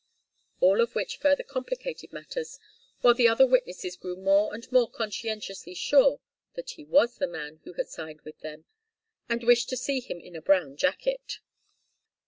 All of which further complicated matters, while the other witnesses grew more and more conscientiously sure that he was the man who had signed with them, and wished to see him in a brown jacket.